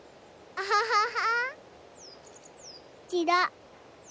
アハハハハ！